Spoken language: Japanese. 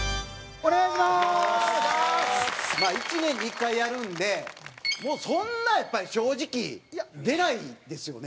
蛍原：まあ、１年に１回やるんでもう、そんな、やっぱり、正直出ないですよね？